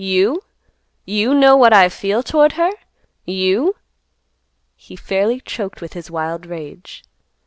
You know what I feel toward her? You!" He fairly choked with his wild rage.